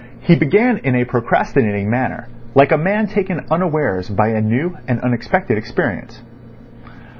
He began in a procrastinating manner, like a man taken unawares by a new and unexpected experience.